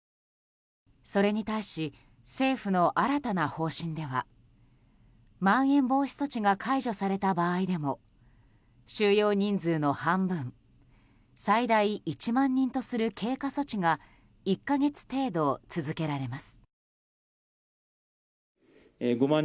それに対し政府の新たな方針ではまん延防止措置が解除された場合でも収容人数の半分最大１万人とする経過措置が１か月程度続けられます。